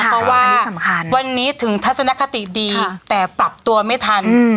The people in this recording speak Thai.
เพราะว่าวันนี้ถึงทัศนคติดีแต่ปรับตัวไม่ทัน